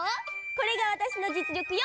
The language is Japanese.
これがわたしのじつりょくよ。